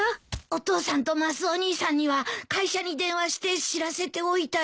お父さんとマスオ兄さんには会社に電話して知らせておいたよ。